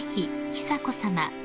久子さま